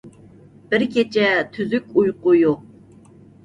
بىر كېچە تۈزۈك ئۇيقۇ يوق.